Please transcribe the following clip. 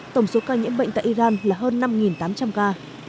tổng số ca nhiễm bệnh tại iran là hơn năm tám trăm linh ca